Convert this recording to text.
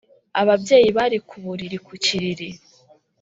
Ababyeyi bari ku buriri ku kiriri